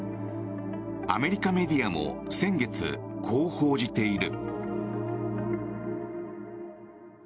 アメリカメディアも先月こう報じている。